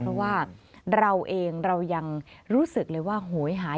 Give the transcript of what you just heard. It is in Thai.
เพราะว่าเราเองเรายังรู้สึกเลยว่าโหยหาย